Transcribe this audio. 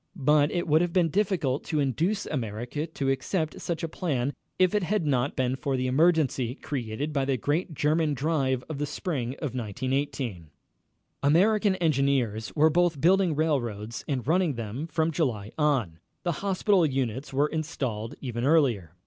But it would have been difficult to induce America to accept such a plan if it had not been for the emergency created by the great German drive of the spring of 1918. American engineers were both building railroads and running them from July on. The hospital units were installed even earlier.